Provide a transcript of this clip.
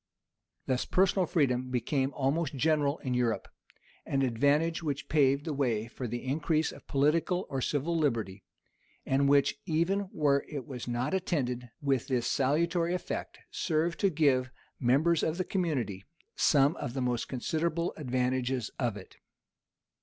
Thus personal freedom became almost general in Europe; an advantage which paved the way for the increase of political or civil liberty, and which, even where it was not attended with this salutary effect, served to give the members of the community some of the most considerable advantages of it.